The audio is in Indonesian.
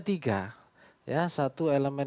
tiga ya satu elemen